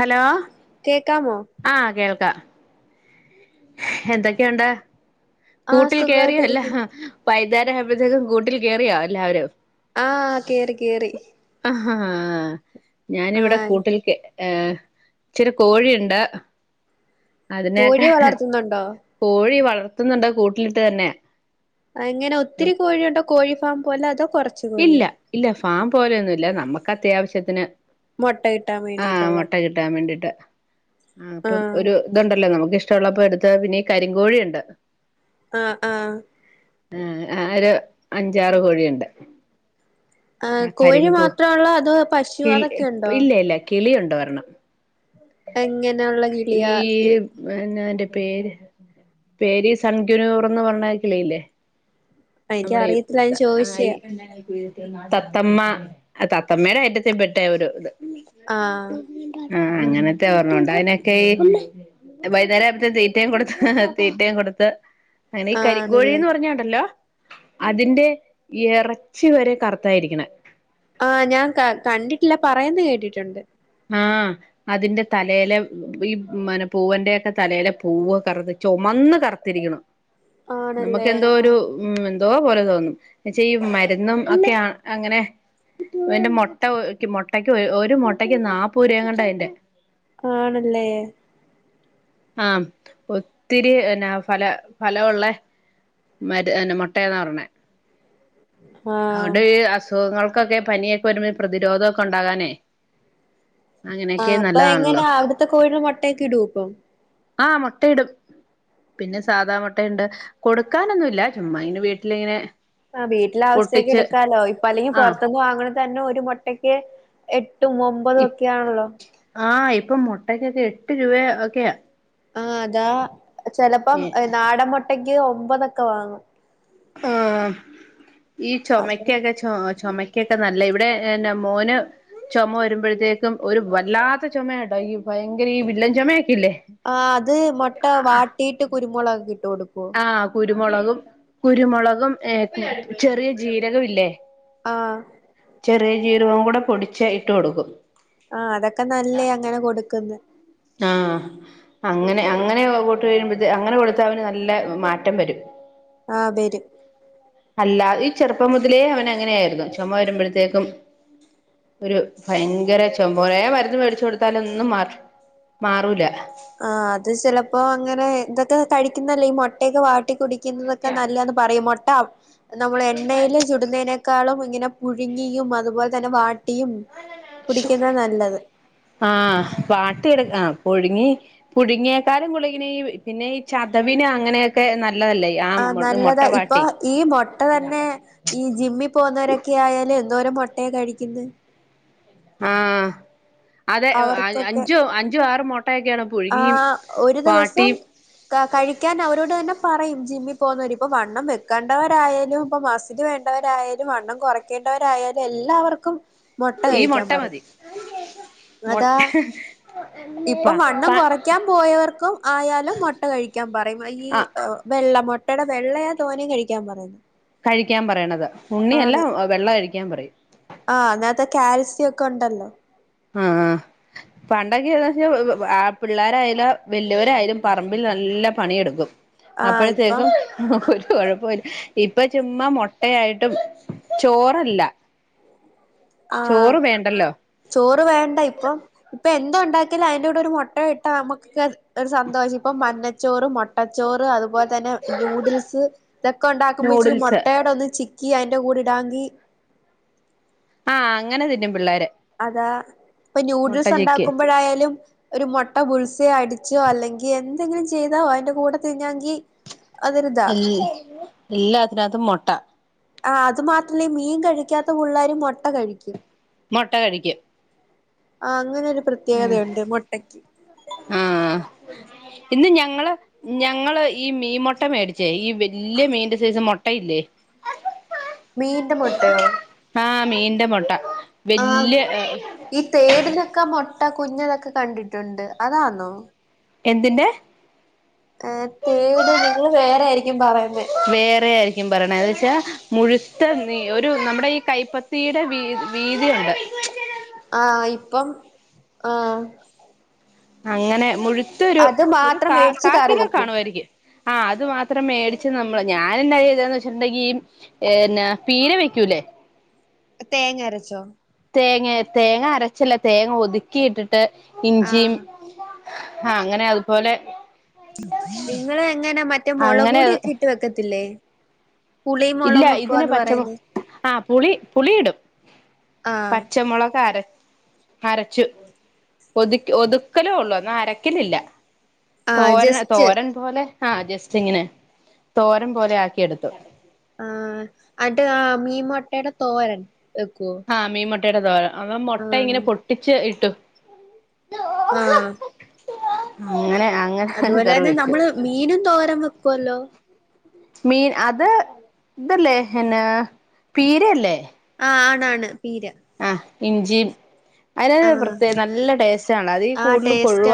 Hello കേക്കാമോ ആഹ കേൾക്ക എന്തൊക്കെയുണ്ട് ആഹ് കൂട്ടിൽ കയറിയോല്ല സുഖായിട്ടിരിക്കുന്നു പൈന്നാര ആ്പോഴത്തേക്കും കൂട്ടിൽ കയറിയോ എല്ലാവരും ആഹ കേറി കേറി ആഹാ ഞാനിവിടെ ആഹ് കൂട്ടിൽക്ക് ഏ ഇച്ചിരി കോഴിയുണ്ട് അതിനെയൊക്കെ കോഴിയെ വളർത്തുന്നുണ്ടോ കോഴി വളർത്തുന്നുണ്ട് കൂട്ടിലിട്ട് തന്നെ എങ്ങനെ ഒത്തിരി കോഴിയുണ്ടോ കോഴി ഫാം പോലെ അതോ കൊറച്ച് ഇല്ല കോഴിയോ ഇല്ല ഫാം പോലൊന്നുമല്ല നമ്മുക്ക് അത്യാവശ്യത്തിന് മൊട്ട കിട്ടാൻ വേണ്ടിയിട്ടുള്ളത് ൻ വേണ്ടിട്ട് ആ അപ്പം ആഹ് ഒരു ഇത്ണ്ടല്ലോ നമുക്ക് ഇഷ്ട ള്ളപ്പോ എടുത്ത് പിന്നീ കരിങ്കോഴിയുണ്ട് ആഹ് ആഹ ആ ആ ഒരു അഞ്ചാറ് കോഴിയുണ്ട് ആ ആഹ് കോഴി കരിങ്കൂ മാത്രൊള്ളോ അതോ പശു കിളി അതൊക്കെ ഉണ്ടോ ഇല്ല ഇല്ല കിളിയൂണ്ട് ഒ രണം എങ്ങനെയുള്ള ഈ കിളിയാ ന്ന എന്റെ പേര് പേര് സൺഗ്യനൂർന്ന് പറഞ്ഞ കളിയില്ലേ നമ്മുടെ എനിക്കറിയത്തില്ല ഞാൻ ചോദിച്ചയാ [unintelligible] തത്തമ്മ തത്തമ്മയുടെ ഐറ്റത്തിൽ പെട്ട ഒരു ഇത് ആഹ് ആഹ അങ്ങനത്തെ ഓർണ്മ്മോണ്ട് അതിനൊക്കെ ഈ വൈകേരം ആകുമഴത്തെ തീറ്റയും കൊടുത്ത് തീറ്റയും കൊടുത്ത് അങ്ങനെ ഈ ആണല്ലേ കരിങ്കോഴിന്ന് പറഞ്ഞുണ്ടല്ലോ അതിന്റെ എറച്ചി വരെ കറുത്തായിരിക്കണ ആ ഞാൻ കണ്ടിട്ടില്ല പറയന്ന് കേട്ടിട്ടുണ്ട് ആഹ അതിന്റെ തലേയിലെ ഈ മനെ പൂവന്റെൊക്കെ തലയിലെ പൂവ് കറുത്ത് ചുമന്ന് കറുത്തിരിക്കണം നമുക്ക് ആണല്ലേ എന്തോ ഒരു ആഹ് ഉം എന്തോ പോലെ തോന്നും എന്നെച്ച ഈ മരുന്നും ഒക്കെയാണ് അങ്ങനെ അന്റെ മുട്ട മുട്ടക്ക് ഒരു മുട്ടക്ക് നാൽപ്പൂ രങ്ങണ്ട അതിറെ ആണല്ലേ ആഹ ഒത്തിരി എന്നന്നാ ഫല ഫലമള്ളേ [unintelligible] മുട്ടന്ന പറഞ്ഞണേ ആഹ് അതുകൊണ്ട് ഈ അസുഖങ്ങൾക്കൊക്കെ പനിയൊക്കെ വരുമ്പോ പ്രതിരോധമൊക്കെ ഉണ്ടാകാനേ ആ അങ്ങനെയൊക്കെ അപ്പൊ നല്ലതാണല്ലോ എങ്ങനാ അവിടുത്തെ കോഴ മുട്ടക്ക ഇടു ഇപ്പം ആഹ് മുട്ടയിടും പിന്നെ സാധാ മുട്ടയൂണ്ട് കൊടുക്കാനൊന്നുമല്ല ചുമ്മാ ഇങ്ങനെ വീട്ടിലിങ്ങനെ ആ വീട്ടില ആശസ്ഥത്തേക്ക് പൊട്ടിച്ച് എടുക്കാലോ ഇപ്പൊ അല്ലെങ്കിൽ ആ പുറത്തുന്ന് വാങ്ങണ തന്നെ ഒരു മുട്ടയ്ക്ക് എട്ടും ഒമ്പതും ഒക്കൊണല്ലോ ആഹ ഇപ്പൊ മുട്ടക്കൊക്കെ എട്ട് രൂപ ഒക്കെയ ആഹ അതാ ചെിലപ്പം നാടൻ മുട്ടയ്ക്ക് ഒമ്പതൊക്കെ വാങ്ങും ആഹ ഈ അപ്പൊ ചുമക്കക ച ചുമക്കൊക്കെ നല്ല ഇവിടെന്നെ മോന് ചുമ വരുമ്പോഴത്തേക്കും ഒരു വല്ലാത്ത ചുമ യാട്ടാ ഈ ഭയങ്കര ഈ വില്ലൻ ചുമയാക്കിയില്ലേ ആ അത് മുട്ട വാട്ടിയിട്ട് കുരുമുളകക്കെ ഇട്ട് കൊടുക്കുവ ആഹ കുരുമുളകും കുരുമുളകും ഏ ചെറിയ ജീരകം ഇല്ലേ ആഹ് ചെറിയ ജീരകവും കൂടെ പൊടിച്ച് ഇട്ട് കൊടുക്കും ആഹ് അതൊക്കെ നല്ലേ അങ്ങനെ കൊടുക്കന്ന് ആഹ് അങ്ങനെ അങ്ങനെ പോട്ട് വരുമ്പോ അങ്ങനെ കൊടുത്ത അവന് നല്ല മാറ്റം വരും ആഹ് വരും അല്ലാത ഈ ചെറുപ്പം മുതലേ അവൻ അങ്ങനെ ആയിരുന്നു ചുമ വരുമ്പോഴത്തേക്കും ഒരു ഭയങ്കര ചമ്പോരേ മരുന്ന് മേടിച്ചു കൊടുത്താലെ ഒന്നും മാറും മാറൂല ആഹ് അത് ചിലപ്പോ അങ്ങനെ ഇതൊക്കെ കഴിക്കുന്നല്ലേ ഈ മുട്ടയൊക്കെ വാട്ടി കുടി ഇന്നൊക്ക ന്നല്ലെന്ന് പറയും മൊട്ട നമ്മള് എണ്ണല് ചുടുന്നതിനെക്കാളും ഇങ്ങനെ പുഴുങ്ങിയും അതുപോലെ തന്നെ വാട്ടിയും കുടിക്കുന്ന നല്ലത്. ആഹ് വാട്ടിയെടുക്ക ആഹ് പുഴുങ്ങി പുഴുങ്ങിയക്കാരും കുടെങ്ങനെ ഈ പിന്നെ ഈ ചതവിന് അങ്ങനെയൊക്കെ നല്ലതല്ലേ ആ ആഹ് മുട്ട നല്ലെതാ ഇപ്പൊ വാട്ടി ഈ മൊട്ട തന്നെ ഈ ജിമ്മിൽ പോകുന്നവരൊക്കെ ആയാല് എന്തോര മൊട്ടയാ കഴിക്കുന്നേ. ആഹ് അതെ അഞ്ചും അഞ്ചും ആറും മോട്ടയൊക്കെയാണ് ആഹ് ഒരു ദിവസം ക കഴിക്കാൻ അവരോട് തന്നെ പറയും ജിമ്മിൽ പോകുന്നവര് ഇപ്പൊ വണ്ണം വെക്കേണ്ടവരായാലും ഇപ്പമസില് വേണ്ട ണ്ടരായാലും വണ്ണം കുറക്കേണ്ടവരായാലും എല്ലാവർക്കും മൊട്ട ഈ കഴിക്കാൻ മുട്ട പറയും. മതി അതാ മുട്ട ഇപ്പം പ വണ്ണം പ കൊറെ ക്ക്യാൻ പോയവർക്കും ആയാലും മൊട്ട കഴിക്കാൻ പറയും ഈ ആ ഏഹ് വെള്ളമൊ ട്ടെടെ വെള്ളയാ തോനെ കഴിക്കാൻ പറയുന്നെ. കഴിക്കാൻ പറയണത് ഉണ്ണിയല്ല വെള്ള കഴിക്കാൻ പറയും. ആഹ് അതിനകത് കാൽസ്യം ഒക്കെ ഒണ്ടല്ലോ ആഹ് ആഹ് പണ്ടൊക്കെ [unintelligible] പിള്ളരായാലും വല്ലിയവരായാലും പറമ്പിൽ നല്ല പണിയെടുക്കും. ആ ഇപ്പം അപ്പഴത്തേക്കും ഒര് കൊഴപ്പൊല്ല ഇപ്പൊ ചുമ്മാ മൊട്ടയായിട്ടും ചോറല്ല [inaudible] ആഹ് വേണ്ടല്ലോ ചോറ് വേണ്ട ഇപ്പം ഇപ്പൊ എന്ത്‌ ഒണ്ടാക്കിയാലും അയ്ന്റെ കൂടെ ഒരു മൊട്ട ഇട്ടാ നമ്മുക്കൊക്കെ ഒര് സന്തോഷം ഇപ്പൊ മഞ്ഞച്ചോറ് മൊട്ടച്ചോറ് അതുപോലെ തന് നൂഡിൽസ് ഇതൊക്കെ ഇണ്ടാക്കുമ്പോ ഇച്ചിരി നൂഡിൽസ് മുട്ടയോടെ ഒന്ന് ചിക്കി അതിന്റെകൂടെ ഇടാങ്കി ആഹ് അങ്ങനെതിന്നും പിള്ളേര് അതാ ഇപ്പൊ മുട്ട ന്യൂഡിൽസ് ചിക്കി ഒണ്ടാക്കുമ്പോഴയാലും ഒര് മൊട്ട ബുൾസൈ അടിച്ചോ അല്ലെങ്കിൽ എന്തെങ്കിലും ചെയ്തോ അതിന്റെ കൂടെ തിന്നാങ്കി അതൊരിതാ എൽ എല്ലാത്തിനകത്തും മൊട്ട. ആഹ് അത് മാത്രല്ല ഈ മീൻ കഴിക്കാത്ത പിള്ളരും മൊട്ട കഴിക്കും. മൊട്ട കഴിക്കും. ആഹ് അങ്ങനൊരു പ്രത്യേകതയുണ്ട് മൊട്ടയ്ക്ക്. ആഹ് ഇന്ന് ഞങ്ങള് ഞങ്ങള് ഈ മീൻ മൊട്ട മേടിച്ചേ ഈ വെല്യ മീന്റെ സെയ്‌സ് മൊട്ടയില്ലെ [inaudible] മീന്റെ മൊട്ടയോ ആഹ് മീന്റെമൊട്ട ആഹ് വെല്ല്യ ഈ തേടിനൊക്കെ മൊട്ട കുഞ്ഞതൊക്കെ കണ്ടിട്ടുണ്ട് അതാന്നോ എന്തിന്റെ ഏഹ് തേട് നിങ്ങൾ വേറെയായിരിക്കും പറയുന്നേ വേറെആയ് ക്യും പറണെ എന്ന് വെച്ചാ മുഴുത്ത നീ ഒരു ന്നമ്മടെ ഈ കൈപ്പത്തിയുടെ വീ വീതിയൊണ്ട്. ആഹ് ഇപ്പം ആഹ് അങ്ങനെ മുഴുത്തൊരു അത് ഒരു മാത്രം കാ മേടിച്ച് കറി കാക്കിലോ വെക്കും കാണുവായിരിക്കും ആ അത് മാത്രം മേടിച്ച് ന്നമ്മള് ഞാനെന്താചെയ്തെ വെച്ച്ട്ട്ണ്ടെങ്കി എന്ന പീര വെയ്ക്കൂലേ തേങ്ങരച്ചോ തേങ്ങ തേങ്ങഅരച്ചല്ല തേങ്ങഒതുക്കി ഇട്ടിട്ട് ഇഞ്ചിമ് ആഹ് ആ അങ്ങനെഅതുപോലെ നിങ്ങള്എങ്ങനാ അങ്ങനെ മറ്റേമൊളക്പൊടി ഒക്കെ ഇട്ട് വെക്കത്തില്ലേ പുളിയും ഇല്ല മുളകും ഇതിന് വെക്കുവാന്ന് പച്ചമൊ പറയുന്നേ ആ പുളി പുളിടും ആഹ് പച്ചമൊളകര അരച്ചു ഒതുക്കി ഒതുക്കലൊള്ളു ന്നാ അരക്കലില്ല ആഹ് തോരൻ ജസ്റ്റ് തോരൻ പോലെ ആ ജസ്റ്റ്ങ്ങനെ തോരൻ പോലെ ആക്കിയെടുത്തു ആ അൻട്ട് അ മീൻമൊട്ടെടെ തോരൻ വെക്കോ അ മീൻ മൊട്ടേടെ തോരൻ അത് മൊട്ട ഇങ്ങനെ പൊട്ടിച്ച് ഇട്ടു ആ അങ്ങനെ അങ്ങനെ അതുപോലെ കറി തന്നെ വെച്ചു നമ്മള് മീനും തോരൻ വെക്കുല്ലോ മീൻ അത് ഇതല്ലേ പിന്നെ പീരയല്ലേ ആ ആണാണ് പീര ആ ഇഞ്ചിമ് ആ അത്നാത്ത് പ്രത്യേ നല്ല ടേസ്റ്റാണ് അതീ ആ കൂടുതല് ടേസ്റ്റ് കൊഴുവ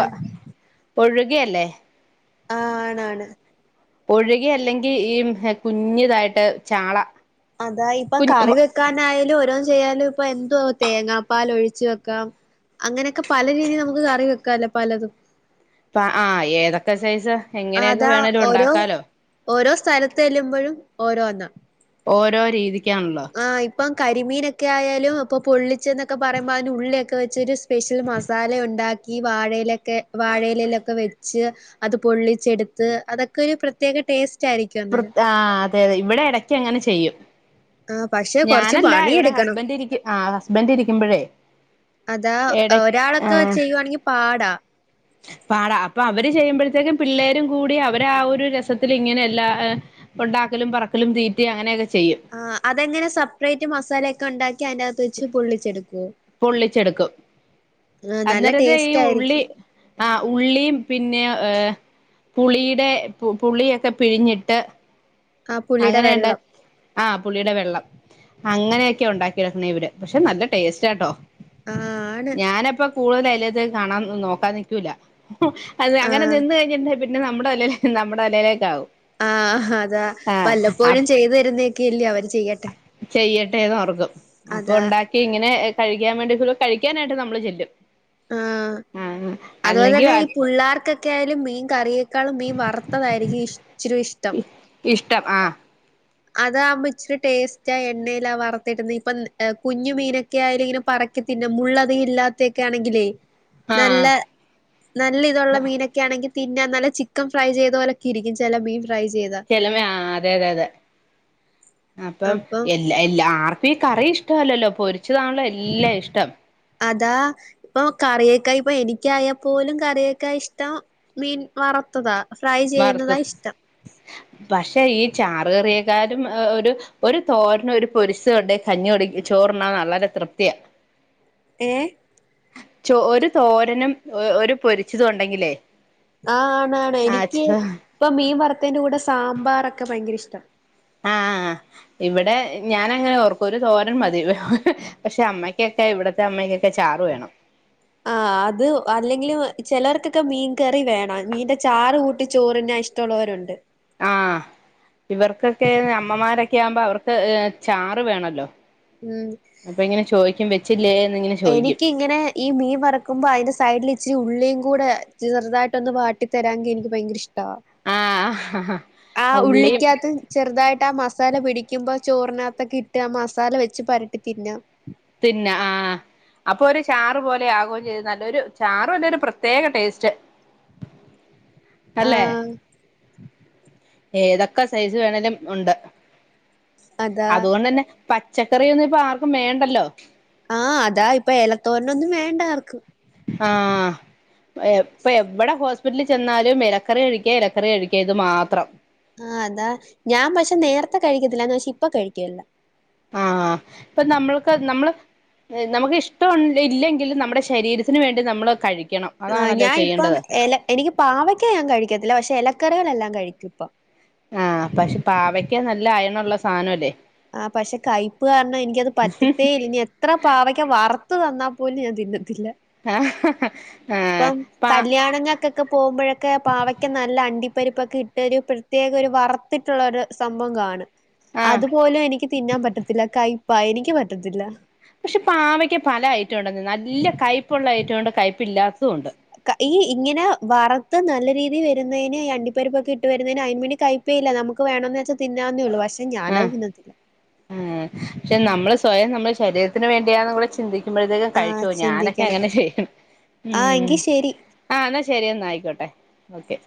ഒഴുകയല്ലേ ആ ആണ് ആണ് ഒഴുക അല്ലെങ്കീ കുഞ്യതായിട്ട് ചാള അതാ ഇപ്പൊ കുഞ്ഞ് കറി വെ ക്കാനായാലും ഓരോല് ചെയ്യാലുംപ്പൊ എന്തോ തേങ്ങാപ്പാലൊഴിച്ച് വെക്കാം അങ്ങനെയൊക്കെ പല രീതില് നമുക്ക് കറി വെക്കാലോ പലതും പ്പ ആ ഏതൊക്കെ സൈസ് എങ്ങനെയൊക്കെ അതാ വേണേലും ഓരോ ഉണ്ടാക്കാലോ ഓരോ സ്ഥലത്ത് ചെല്ലുമ്പഴും ഓരോന്ന ഓരോ രീതിക്കാണല്ലോ ആ ഇപ്പം കരിമീനൊക്കെ ആയാലും ഇപ്പം പൊള്ളിച്ച്ന്നൊക്കെ പറയുമ്പോ അതിന്ഉള്ളിയൊക്കെ വെച്ചൊരുസ് സ്പെഷ്യൽ മസാല ഒണ്ടാക്കി വാഴയിലൊക്കെ വാഴയിലയിലൊക്കെ വെ ച്ച് അത് പൊള്ളിച്ചെടുത്ത് അതൊക്കെരു പ്രത്യേക ടേസ് പ്ര ആ അതെ അതെ ഇവടെ എടക്കങ്ങനെ ചെയ്യും ആ പക്ഷെ കൊറച്ച് ഞാനല്ല ഇവിടെ പണിയെടുക്കണം ഹസ്ബന്റ് ഇരിക്ക ആ ഹസ്ബന്റ് രിക്കുമ്പഴേ അതാ ഒരാളൊക്കെ ചെയ്യുവാണെങ്കിൽ പാടാ പാട അപ്പൊ അവര് ചെയ്യുമ്പഴത്തേനും പിള്ളേരും കൂടി അവരെ ആ ഒരു രസത്തില്ങ്ങനെ എല്ലാ ഒണ്ടാക്കലും പെറ്ക്കലും തീറ്റയും അങ്ങനെയൊക്കെ ചെയ്യും ആ അതെങ്ങനെ സെപ്പറേറ്റ് മസാലയൊക്കെ ഒണ്ടാക്കി അതിന്റെ അകത്ത് വെച്ച് പൊള്ളിച്ചെടുക്കെ പൊള്ളിച്ചെടുക്കും നല്ല അന്നേരെന്നെ ഈ ടേസ്റ്റ് ഉള്ളി ആയിരിക്കും ആ ഉള്ളീം പിന്നെ ഏ പുളിടെ പുളിയൊക്കെ പിഴിഞ്ഞിട്ട് ആ പുളിയുടെ അങ്ങനെണ്ട വെള്ളം ആ പുളിടെ വെള്ളം അങ്ങനെയൊക്കെ ഒണ്ടാക്കി എടുക്കണ ഇവര് പക്ഷെ നല്ല ടേസ്റ്റാട്ടോ ആ ആണ് ഞാനപ്പം കൂടുതൽ അയ്ലാത്തേക്ക് കാണാൻ നോക്കാൻ നിക്കൂല അതെ ആ അങ്ങനെ നിന്ന് കഴിഞ്ഞാ പിന്നെ നമ്മടെ തലേ നമ്മടെ തലേലെക്കാവും ആ അതാ വല്ലപ്പോഴും ചെയ്തു തരുന്നക്കെല്ലേ അവര് ചെയ്യട്ടെ ചെയ്യട്ടെന്നോർക്കും അപ്പൊ അതാ ഒണ്ടാക്കി ഇങ്ങനെ കഴിക്കാൻ വേണ്ടി കഴിക്കാനായിട്ട് നമ്മള് ചെല്ലും ആ ആഹ് അല്ലെങ്കിൽ അതുപോലെത്തെന്നെ ഈ പുള്ളാർക്ക് ക്ക്യായാലും മീൻ കറിയേക്കാളും മീൻ വറുത്തതായിരിക്കും ഇഷ്‌ ച്ചിരിഷ് ഇഷ്ടം ആ അതാവുമ്പോ ഇച്ചിരി ടേസ്റ്റ എണ്ണയിലാ വർത്തിട്ന്നെ ഇപ്പ കുഞ്ഞു മീനൊക്ക്യായാലും ഇങ്ങനെ പർ മുള്ള് അതികം ഇല്ലാത്തൊക്കെ ആണെങ്കിലേ നല്ല ആഹ് നല്ല ഇതുള്ള മീനാ ആണെങ്കിൽ തിന്നാൻ നല്ല ചിക്കൻ ഫ്രൈ ചെയ്ത പോലൊക്കെ ഇരിക്കും ചില മീൻ ഫ്രൈ ചെയ്താ.. ചെലമേ ആ അതെ അതെ അതെ.. അപ്പം എല്ലാ എല്ലാ ആർക്കും ഈ കറി ഇഷ്ടല്ലല്ലോ പൊരിച്ചതാണല്ലോ എല്ലാം ഇഷ്ടം.. അതാ.. ഇപ്പൊ കറിയേക്ക ഇപ്പൊ എനിക്കായപ്പോലും കറിയക്കൾ ഇഷ്ടം മീൻ വറുത്തതാ.. ഫ്രൈ ചെയ്യുന്നതാ വറുത്തത് ഇഷ്ടം പക്ഷെ ഈ ചാറുകറിയക്കാരും ഒരു.. ഒരു തോരനും ഒരു പൊരിച്ചാതു ണ്ടെ കഞ്ഞിടി ചോറ്ണ നല്ലരെ തൃപ്തിയാ.. ഏ.. ചോ ഒരു തോരനും ഒരു പൊരിച്ചതും ഉണ്ടെങ്കിലേ ആഹ്‌ ആണ് ആണ് ആ എനിക്ക് ചോ ഇപ്പ മീൻ വറുത്തേന്റെ കൂടെ സാമ്പാറൊക്കെ ഭയങ്കര ഇഷ്ടം ആഹ്‌ ഇവിടെ ഞാനങ്ങനെ ഓർക്കും ഒരു തോരൻ മതി പക്ഷെ അമ്മയ്ക്കൊക്കെ ഇവിടത്തെ അമ്മക്കൊക്കെ ചാറ് വേണം ആഹ്‌ അത് അല്ലെങ്കിൽ ചിലർക്കൊക്കെ മീൻ കറി വേണം മീന്റെ ചാറ് കൂട്ടി ചോറിനാൻ ഇഷ്ടം ഇഷ്ടില്ലോരുംണ്ട് ആഹ്‌ ഇവർക്കൊക്കെ അമ്മമാരൊക്കെ ആവുമ്പോ അവർക്ക് ചാറ് വേണല്ലോ ഉം അപ്പൊ ഇങ്ങനെ ചോദിക്കും വെച്ചില്ലേങ്ങനെ എനിക്കിങ്ങനെ ഈ മീൻ വറുക്കുമ്പോ അതിന്റെ സൈഡിൽ ഇച്ചിരി ഉള്ളിയിം കൂടെ ചെറുതായിട്ട് ഒന്ന് വാട്ടി തരാൻങ്ക എനിക്ക് ഭയങ്കര ഇഷ്ട ആഹ്‌ ആഹാ ആഹ്‌ ഉള്ളിക്കകത്ത് ചെറുതായിട്ട് ആ മസാല പിടിക്കുമ്പോ ചോറിനകത്തൊക്കെ ഇട്ട് ആ മസാല വെച്ച് പരട്ടി തിന്ന തിന്ന ആഹ് അപ്പൊ ഒരു ചാർ പോലെ ആകുകയും ചെയ്തു നല്ലരു ചാറുവല്ല ഒരു പ്രത്യേക ടേസ്റ്റ് [inaudible] അല്ലെ ആഹ് ഏതൊക്കെ സൈസ് വേണെലും ഉണ്ട് അതാ അതുകൊണ്ട തന്നെ പച്ചക്കറിയൊന്നും ഇപ്പൊ ആർക്കും വേണ്ടല്ലോ ആഹ്‌ അതാ ഇപ്പൊ ഇലത്തോരനൊന്നും വേണ്ട ആർക്കും ആഹ്‌ ഇപ്പൊ എവിടെ ഹോസ്പിറ്റലിൽ ചെന്നാലും ഇലക്കറി കഴിക്കാ ഇലക്കറി കഴിക്കാ ഇത് മാത്രം ആഹ്‌ അതാ ഞാൻ പക്ഷെ നേരത്തെ കഴിക്കത്തില്ലന്ന് പക്ഷെ ഇപ്പ കഴിക്കൂ ആഹ്‌ ഇപ്പൊ നമ്മൾക്ക് നമ്മള് നമുക്ക് ഇഷ്ടം ഇല്ലെങ്കിലും നമ്മുടെ ശരീരത്തിനന് വേണ്ടി നമ്മൾ കഴിക്കണം ആ അതാണല്ലോ ഞാന ഇപ്പം ചെയ്യേണ്ടത് എല എനിക്ക് പാവക്ക ഞാൻ കഴിക്കത്തില്ല പക്ഷെ ഇലക്കറികളെല്ലാം കഴിക്കും ഇപ്പൊ ആഹ്‌ പക്ഷെ പാവക്ക നല്ല അയണള്ള സാധനംല്ലേ ആഹ് പക്ഷെ കൈയ്‌പ്പ് കാരണം എനിക്കത് പറ്റത്തേല്ല ഇനി എ ഇത്ര പാവയ്ക്ക വറത്തു തന്നാ പോലും ഞാൻ തിന്നത്തില്ല ആഹ് ആഹ് പ ഒക്കെ പോകുമ്പോഴൊക്കെ പാവക്ക നല്ല അണ്ടിപ്പരിപ്പൊക്കെ ഏറ്റയൊരു ഒരു പ്രത്യേക ഒരു വറ വർത്തിട്ടുള്ളൊരു സംഭവംകാണും ആഹ് അതുപോലും എനിക്ക് തിന്നാൻ പറ്റത്തില്ല കൈപ്പാ എനിക്ക് പറ്റത്തില്ല പക്ഷെ പാവയ്ക്ക് പല ഐറ്റം ഉണ്ട നല്ല കയ്പ്പുള്ള ഐറ്റം ഉണ്ട് കയ്പ്പ ഇില്ലാത്തതും ഉണ്ട് ഈ ഇങ്ങനെ വറുത്ത് നല്ല രീതിയി വരുന്നതിന് ഈ അണ്ടിപ്പരിപ്പൊക്കെ ഇട്ട് വരുന്നതിന് അതിന് വേണ്ടി കൈ ഇപ്പ ഇല്ല നമുക്ക് വേണന്ന് വച്ചൽ തിന്നാവേള്ളൂ പക്ഷെ ഞാന അത് തിന്നത്തില്ല ആഹ്‌ പക്ഷെ നമ്മള് സ്വയം നമ്മുടെ ശരീരത്തിനന് വേണ്ടിയാന്ന് കൂടെ ചിന്തിക്ക കിക്കുമ്പഴത്തേക്കും ആഹ് കഴിച്ചു ഞാനൊക്കെ ചിന്തിക്കണം അങ്ങനെ ചെയ്യണം ആഹ് ഉം എങ്കി ശരി ആഹ്‌ എന്നാൽ ശരിയാ ആയിക്കോട്ടെ ഓക്കെ